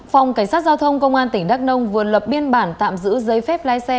phòng cảnh sát giao thông công an tỉnh đắk nông vừa lập biên bản tạm giữ giấy phép lái xe